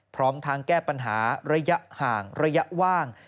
พร้อมทางแก้ปัญหาระยะห่างระยะว่าง